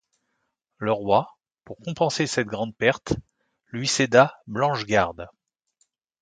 Le roi, pour compenser cette grande perte, lui céda Blanche Garde.